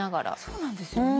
そうなんですよね。